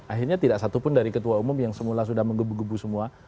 akhirnya tidak satupun dari ketua umum yang semula sudah menggebu gebu semua